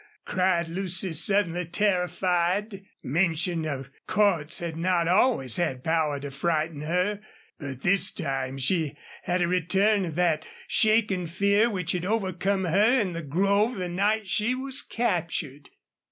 cried Lucy, suddenly terrified. Mention of Cordts had not always had power to frighten her, but this time she had a return of that shaking fear which had overcome her in the grove the night she was captured.